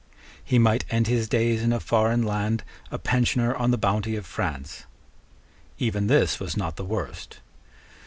He might end his days in a foreign land a pensioner on the bounty of France. Even this was not the worst.